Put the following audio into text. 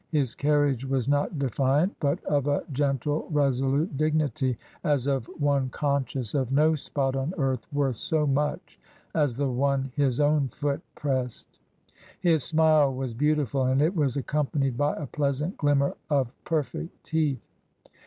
His carriage was not defiant, but of a gentle, resolute dignity, as of one conscious of no spot of earth worth so much as the one his own foot pressed. His smile was beautiful, and it was accompanied by a pleasant glimmer of perfect teeth.